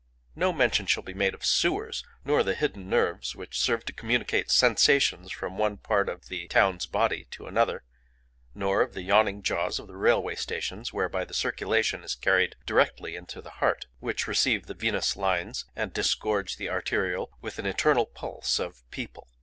No mention shall be made of sewers, nor of the hidden nerves which serve to communicate sensations from one part of the town's body to another; nor of the yawning jaws of the railway stations, whereby the circulation is carried directly into the heart,—which receive the venous lines, and disgorge the arterial, with an eternal pulse of people.